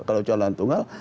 kalau calon calon yang tunggal